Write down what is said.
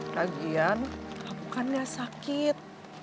lagian aku kan gak sakit